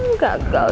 gagal deh amerika nih